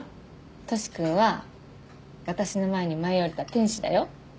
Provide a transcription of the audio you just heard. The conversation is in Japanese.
トシ君は私の前に舞い降りた天使だよ。